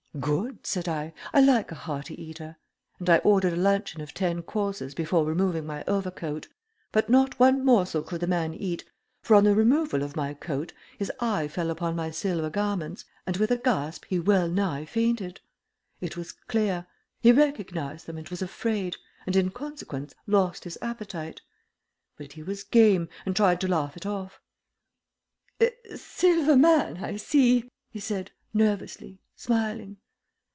"Good," said I. "I like a hearty eater," and I ordered a luncheon of ten courses before removing my overcoat; but not one morsel could the man eat, for on the removal of my coat his eye fell upon my silver garments, and with a gasp he wellnigh fainted. It was clear. He recognized them and was afraid, and in consequence lost his appetite. But he was game, and tried to laugh it off. "Silver man, I see," he said, nervously, smiling.